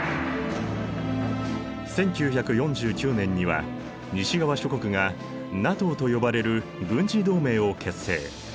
１９４９年には西側諸国がＮＡＴＯと呼ばれる軍事同盟を結成。